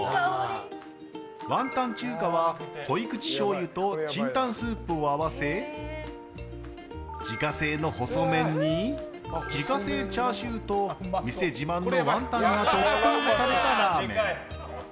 ワンタン中華は濃口しょうゆとチンタンスープを合わせ自家製の細麺に自家製チャーシューと店自慢のワンタンがトッピングされたラーメン。